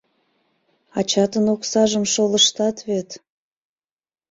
Ачатын оксажым шолыштат вет...